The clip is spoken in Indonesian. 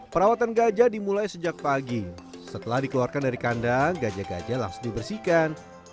perawatan gajah dimulai sejak pagi setelah dikeluarkan dari kandang gajah gajah langsung dibersihkan